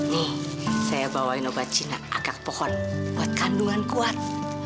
nih saya bawain obat cina agak pohon buat kandungan kuat